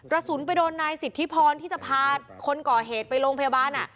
กระสุนไปโดนนายสิทธิพรที่จะพาคนก่อเหตุไปโรงพยาบาล